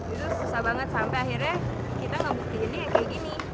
itu susah banget sampai akhirnya kita ngebutinnya kayak gini